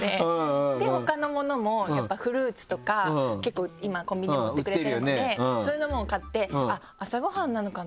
で他のものもフルーツとか結構今コンビニでも売ってくれてるのでそういうのも買って「朝ごはんなのかな？